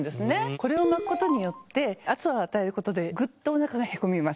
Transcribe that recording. これを巻くことによって圧を与えることでぐっとおなかがへこみます。